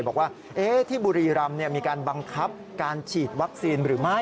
บอกว่าที่บุรีรำมีการบังคับการฉีดวัคซีนหรือไม่